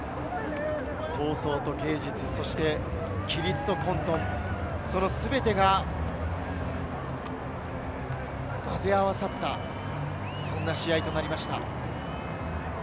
闘争と芸術、規律と混沌、全てが混ぜ合わさった、そんな試合となりました。